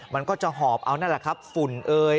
มันก็จะหอบเอานั่นแหละครับฝุ่นเอ่ย